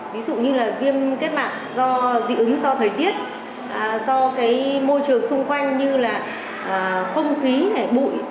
ví dụ như là viêm kết mạng do dị ứng do thời tiết do cái môi trường xung quanh như là không khí này bụi